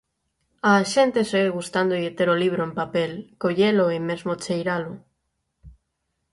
Á xente segue gustándolle ter o libro en papel, collelo e mesmo cheiralo.